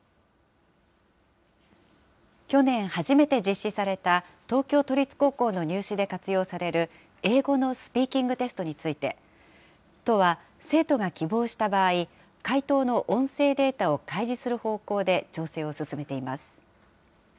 去年初めて実施された東京都立高校の入試で活用される英語のスピーキングテストについて、都は、生徒が希望した場合、解答の音声データを開示する方向で調整を進めています。